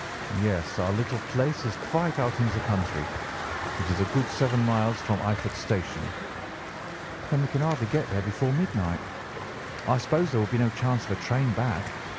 "'Yes, our little place is quite out in the country. It is a good seven miles from Eyford Station.' "'Then we can hardly get there before midnight. I suppose there would be no chance of a train back.